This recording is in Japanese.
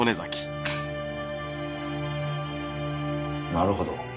なるほど。